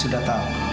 bok dan antar ya